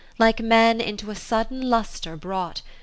Like men into a sudden lustre brought.